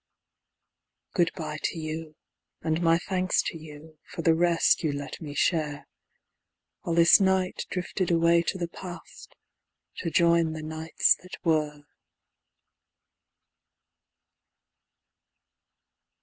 Good bye to you, and my thanks to you, for the rest you let me share, While this night drifted away to the Past, to join the Nights that Were.